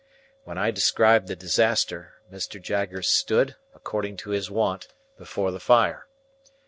While I described the disaster, Mr. Jaggers stood, according to his wont, before the fire.